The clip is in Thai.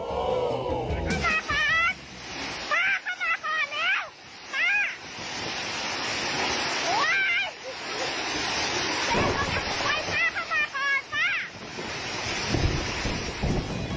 โอ้ยปล่อยหน้าเข้ามาก่อนนะ